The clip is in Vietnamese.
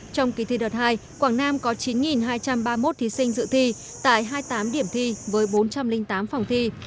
trong kỳ thi đợt hai quảng nam có chín hai trăm ba mươi một thí sinh dự thi tại hai mươi tám điểm thi với bốn trăm linh tám phòng thi